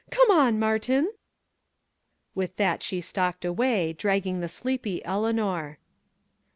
Come on, Martin!" With that she stalked away, dragging the sleepy Eleanor.